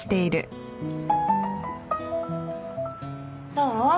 どう？